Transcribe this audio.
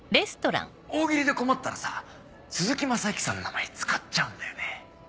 大喜利で困ったらさ鈴木雅之さんの名前使っちゃうんだよね。